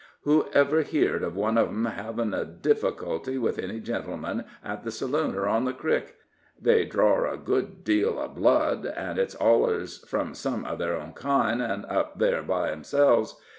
Who ever heerd of one of 'em hevin' a difficulty with any gentleman, at the saloon or on the crick? They drar a good deal of blood, but it's allers from some of their own kind, an' up there by 'emselves.